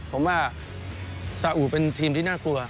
ผมว่าซาอุเป็นทีมที่น่ากลัว